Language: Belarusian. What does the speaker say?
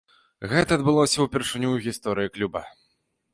Гэта адбылося ўпершыню ў гісторыі клуба.